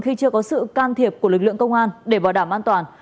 khi chưa có sự can thiệp của lực lượng công an để bảo đảm an toàn